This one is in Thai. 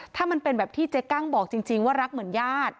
ถ้ามันเป็นแบบที่เจ๊กั้งบอกจริงว่ารักเหมือนญาติ